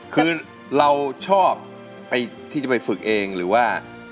คือเราชอบที่จะไปฝึกเองหรือว่า